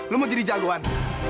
lo mau jadi jagoan